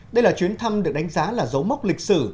đây là chuyến thăm được đánh giá là dấu mốc lịch sử